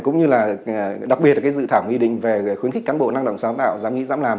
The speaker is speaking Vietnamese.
cũng như là đặc biệt là dự thảo nghị định về khuyến khích cán bộ năng động sáng tạo dám nghĩ dám làm